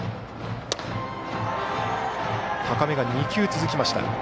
高め、２球続きました。